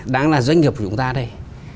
đang là doanh nghiệp của chúng ta đây